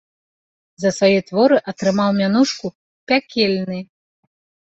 За свае творы атрымаў мянушку пякельны.